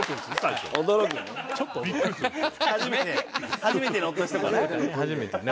初めてね。